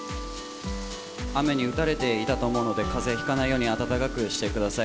雨に打たれていたと思うので、かぜひかないように、温かくしてください。